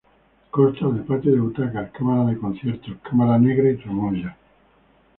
Consta de patio de butacas, cámara de conciertos, cámara negra y tramoya.